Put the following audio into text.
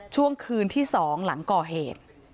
ช่วงคืนที่๒หลังก่อเหตุ